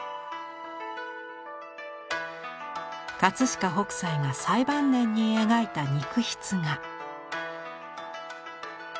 飾北斎が最晩年に描いた肉筆画。